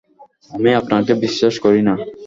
আমি আপনাকে বিশ্বাস করি না।